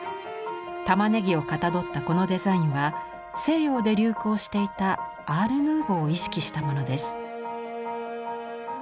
玉葱をかたどったこのデザインは西洋で流行していたアール・ヌーヴォーを意識したものです。